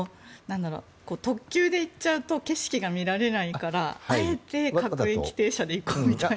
特急で行っちゃうと景色が見られないからあえて各駅停車で行こうみたいな。